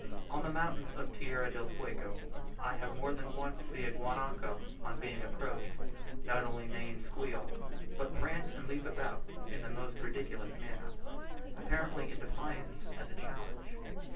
On the mountains of Tierra del Fuego, I have more than once seen a guanaco, on being approached, not only neigh and squeal, but prance and leap about in the most ridiculous manner, apparently in defiance as a challenge.